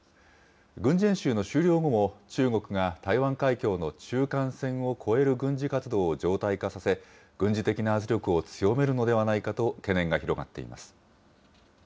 軍事演習の終了後も、中国が台湾海峡の中間線を越える軍事活動を常態化させ、軍事的な圧力を強めるのではないかと懸念が広がっています。